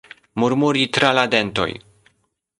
Murmuri tra la dentoj.